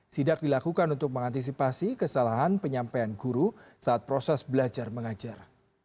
sidak dilakukan untuk mengantisipasi kesalahan penyampaian guru saat proses belajar mengajar